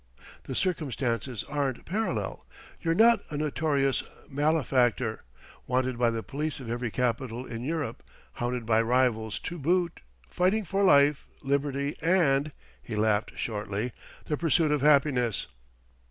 "The circumstances aren't parallel: you're not a notorious malefactor, wanted by the police of every capital in Europe, hounded by rivals to boot fighting for life, liberty and" he laughed shortly "the pursuit of happiness!"